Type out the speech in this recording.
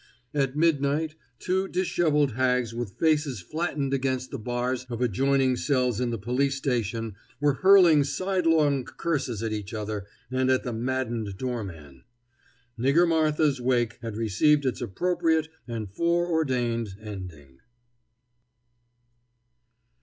At midnight two disheveled hags with faces flattened against the bars of adjoining cells in the police station were hurling sidelong curses at each other and at the maddened doorman. Nigger Martha's wake had received its appropriate and foreordained ending.